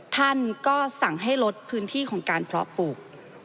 ท่านก็สั่งให้ลดพื้นที่ของการเพาะปลูก